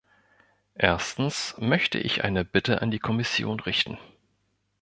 Erstens möchte ich eine Bitte an die Kommission richten.